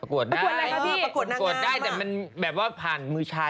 ประกวดนางงามประกวดได้แต่มันแบบว่าผ่านมือชาย